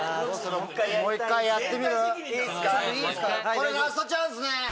これラストチャンスね。